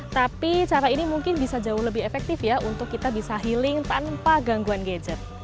tapi cara ini mungkin bisa jauh lebih efektif ya untuk kita bisa healing tanpa gangguan gadget